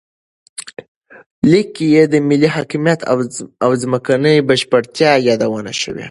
لیک کې د ملي حاکمیت او ځمکنۍ بشپړتیا یادونه شوې.